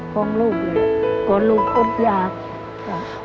ห่วงลูกเลยก็ลูกอดอยาก